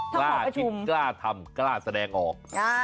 กล้าคิดกล้าทำกล้าแสดงออก